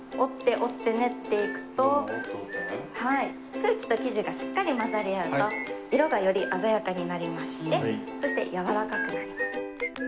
空気と生地がしっかり混ざり合うと色がより鮮やかになりましてそしてやわらかくなります。